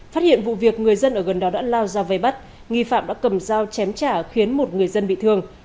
phát hiện vụ việc người dân ở gần đó đã lao ra vây bắt nghi phạm đã cầm dao chém trả khiến một người dân bị thương